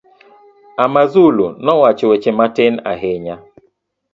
Amazulu nowacho weche matin ahinya.